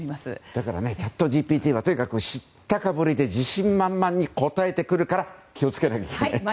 だからチャットＧＰＴはとにかく、知ったかぶりで自信満々に答えてくるから気をつけなきゃいけないですね。